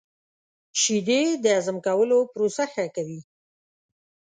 • شیدې د هضم کولو پروسه ښه کوي.